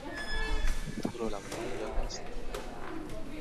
এই জেলার সদর শহর ভাগলপুর।